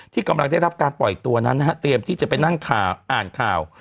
กำลังได้รับการปล่อยตัวนั้นนะฮะเตรียมที่จะไปนั่งอ่านข่าว